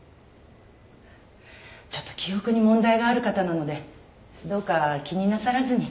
ちょっと記憶に問題がある方なのでどうか気になさらずに。